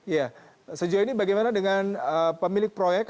ya sejauh ini bagaimana dengan pemilik proyek